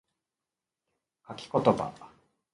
書き言葉